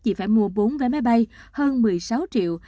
chị phải mua bốn vé máy bay hơn một mươi sáu triệu